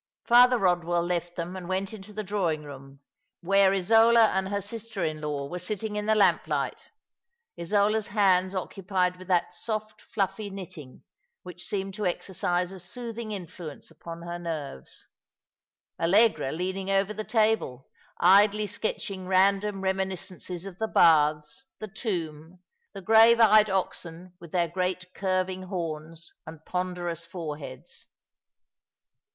Father Eodwell left thsm and went into the drawing room, where Isola and her sister in law were sitting in tho 284 All along the River. lampliglit — Isola's hands occupied with that soft, fluffy knitting which seemed to exercise a soothing influence upon her nerves; Allegra leaning over the table, idly sketching random reminiscences of the Baths, the Tomb, the grave eyed oxen, with their great curving horns and ponderous foreheads.